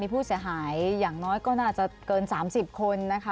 ผู้เสียหายอย่างน้อยก็น่าจะเกิน๓๐คนนะคะ